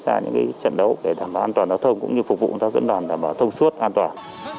ra những trận đấu để đảm bảo an toàn giao thông cũng như phục vụ dẫn đoàn đảm bảo thông suất an toàn